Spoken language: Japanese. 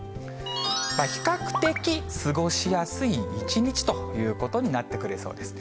比較的過ごしやすい一日ということになってくれそうです。